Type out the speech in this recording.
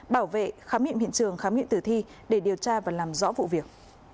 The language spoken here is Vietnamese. bảo vệ khám nghiệm hiện trường khám nghiệm tử thi để điều tra và làm rõ vụ việc